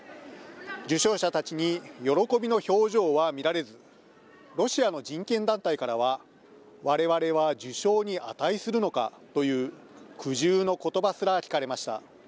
受賞者たちに喜びの表情は見られず、ロシアの人権団体からは、われわれは受賞に値するのかという苦渋のことばすら聞かれました。